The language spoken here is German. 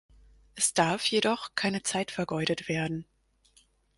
Es darf jedoch keine Zeit vergeudet werden.